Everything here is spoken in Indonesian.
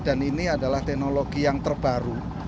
dan ini adalah teknologi yang terbaru